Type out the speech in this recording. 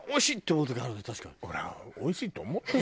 ほらおいしいって思ってる。